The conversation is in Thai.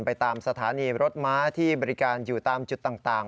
ไปตามสถานีรถม้าที่บริการอยู่ตามจุดต่าง